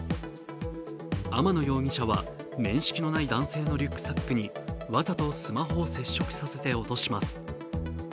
天野容疑者は面識のない男性のリュックサックにわざとスマホを接触させて落とします。